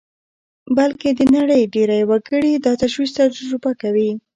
بلکې د نړۍ ډېری وګړي دا تشویش تجربه کوي